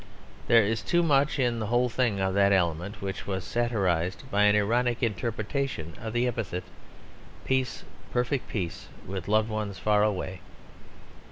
There is too much in the whole thing of that element which was satirised by an ironic interpretation of the epitaph "Peace, perfect peace, with loved ones far away."